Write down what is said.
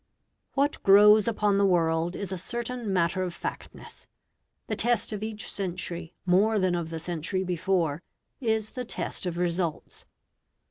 What grows upon the world is a certain matter of factness. The test of each century, more than of the century before, is the test of results.